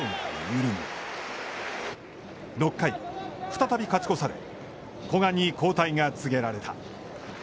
再び勝ち越され、古賀に交代が告げられた。